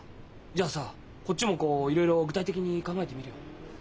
じゃあさこっちもこういろいろ具体的に考えてみるよ。